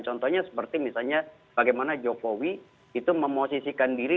contohnya seperti misalnya bagaimana jokowi itu memosisikan diri